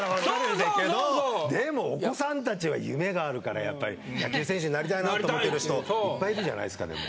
でもお子さん達は夢があるからやっぱり野球選手になりたいなって思ってる人いっぱいいるじゃないですかでも。